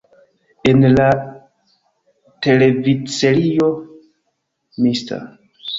En la televidserio "Mr.